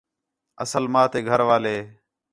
اصل ماں تے گھر والے